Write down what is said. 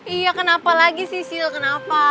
iya kenapa lagi sisil kenapa